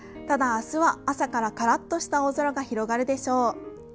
ただ、明日は朝から、からっとした青空が広がるでしょう。